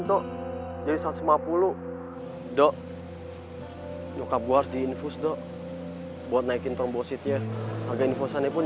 dok jadi satu ratus lima puluh do cabua harus diinfus dok buat naikin trombositnya harga infusannya pun